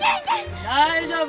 大丈夫。